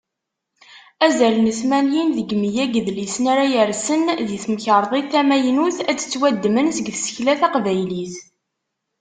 Azal n tmanyin deg meyya n yidlisen ara yersen di temkarḍit tamaynut, ad d-ttwaddmen seg tsekla taqbaylit.